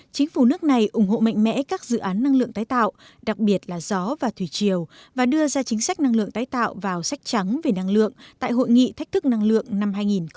chính phủ nước này ủng hộ mạnh mẽ các dự án năng lượng tái tạo đặc biệt là gió và thủy triều và đưa ra chính sách năng lượng tái tạo vào sách trắng về năng lượng tại hội nghị thách thức năng lượng năm hai nghìn một mươi tám